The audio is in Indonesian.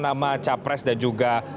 nama capres dan juga